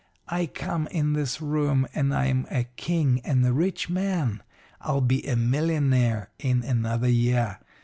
I come in this room, and I'm a king and a rich man. I'll be a millionaire in another year.